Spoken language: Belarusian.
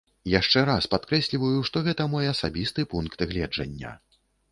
Яшчэ раз падкрэсліваю, што гэта мой асабісты пункт гледжання.